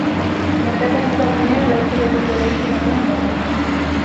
Merkataritza-gunea lau solairuko eraikin batean dago.